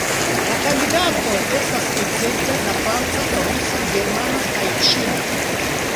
La kandidatoj estas ekzemple la franca, rusa, germana kaj ĉina.